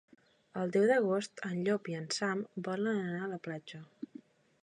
El deu d'agost en Llop i en Sam volen anar a la platja.